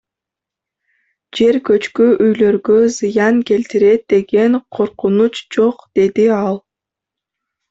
Жер көчкү үйлөргө зыян келтирет деген коркунуч жок, — деди ал.